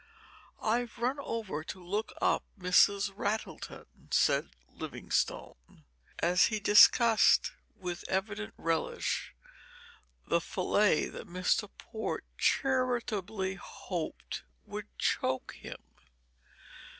"I've run over to look up Mrs. Rattleton," said Livingstone, as he discussed with evident relish the filet that Mr. Port charitably hoped would choke him.